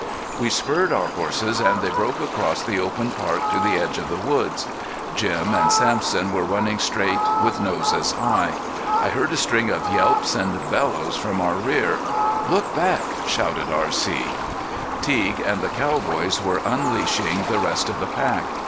We spurred our horses and they broke across the open park to the edge of the woods. Jim and Sampson were running straight with noses high. I heard a string of yelps and bellows from our rear. "Look back!" shouted R.C. Teague and the cowboys were unleashing the rest of the pack.